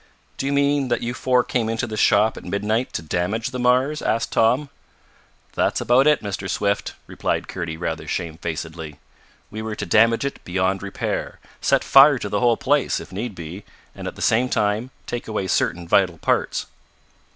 "Do you mean that you four came into this shop, at midnight, to damage the Mars?" asked Tom. "That's about it, Mr. Swift," replied Kurdy rather shamefacedly. "We were to damage it beyond repair, set fire to the whole place, if need be, and, at the same time, take away certain vital parts.